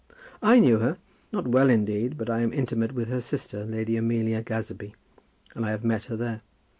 "I knew her, not well indeed; but I am intimate with her sister, Lady Amelia Gazebee, and I have met her there.